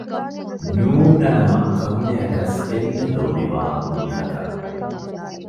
ނޫނަނަމަ ކޮންމެއަކަސް އެންމެ ލޯބިވާ މީހަކަށް